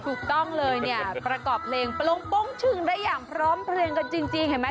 ถูกต้องเลยเนี่ยประกอบเพลงปลงโป้งชึงได้อย่างพร้อมเพลียงกันจริงเห็นไหม